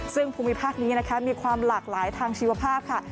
ซึ่งภูมิภาคนี้นะคะมีความหลากหลายทางชีวภาพค่ะ